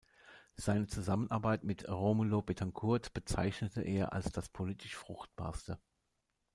Seine Zusammenarbeit mit Rómulo Betancourt bezeichnete er als das politisch Fruchtbarste.